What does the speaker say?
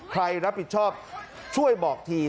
ใครรับผิดชอบช่วยบอกที